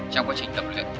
trong quá trình tập luyện